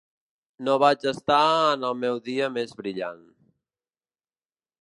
No vaig estar en el meu dia més brillant.